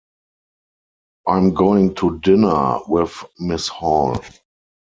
I'm going to dinner with Miss Hall.